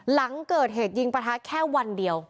หลังเกิดเหตุยิงประทะแค่วันเดียว